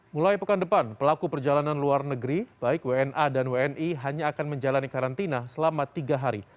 mulai pekan depan pelaku perjalanan luar negeri baik wna dan wni hanya akan menjalani karantina selama tiga hari